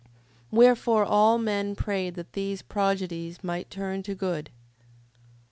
5:4. Wherefore all men prayed that these prodigies might turn to good. 5:5.